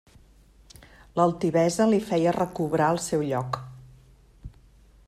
L'altivesa li feia recobrar el seu lloc.